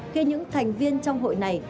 khi những thành viên trong hội này